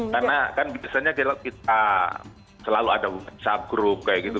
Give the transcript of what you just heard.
karena kan biasanya kita selalu ada subgroup kayak gitu